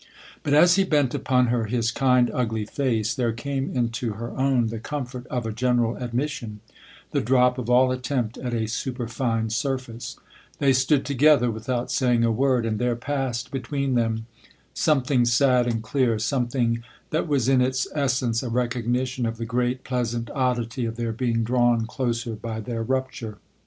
But as he bent upon her his kind, ugly face there came into her own the comfort of a general admission, the drop of all attempt at a superfine surface : they stood together without saying a word, and there passed between them something sad and clear, something that was in its essence a recognition of the great, pleasant oddity of their being drawn closer by their rupture.